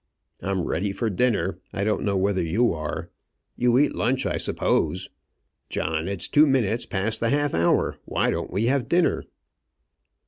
"I'm ready for dinner; I don't know whether you are. You eat lunch, I suppose. John, it's two minutes past the half hour. Why don't we have dinner?"